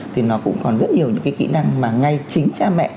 thì nó cũng còn rất nhiều những cái kỹ năng mà ngay chính cha mẹ